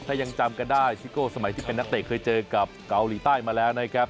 ถ้ายังจำกันได้ซิโก้สมัยที่เป็นนักเตะเคยเจอกับเกาหลีใต้มาแล้วนะครับ